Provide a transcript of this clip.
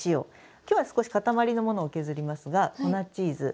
今日は少し塊のものを削りますが粉チーズ。